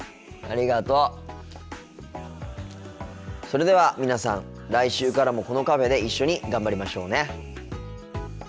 それでは皆さん来週からもこのカフェで一緒に頑張りましょうね。